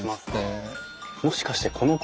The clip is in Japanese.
もしかしてこの子。